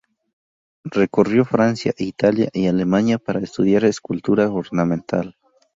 Recorrió Francia, Italia y Alemania para estudiar Escultura Ornamental.